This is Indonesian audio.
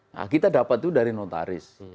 nah kita dapat itu dari notaris